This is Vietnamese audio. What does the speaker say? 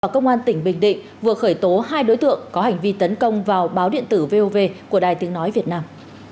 công an tỉnh bình định vừa khởi tố hai đối tượng có hành vi tấn công vào báo điện tử vov của đài tiếng nói việt nam